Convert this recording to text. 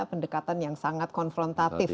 pendekatan yang sangat konfrontatif